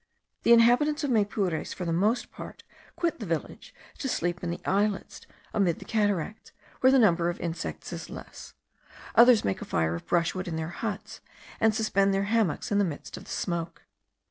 The inhabitants of Maypures, for the most part, quit the village to sleep in the islets amid the cataracts, where the number of insects is less; others make a fire of brushwood in their huts, and suspend their hammocks in the midst of the smoke.